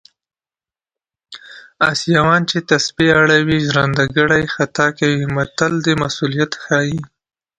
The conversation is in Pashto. اسیاوان چې تسبې اړوي ژرندګړی خطا کوي متل د مسوولیت ښيي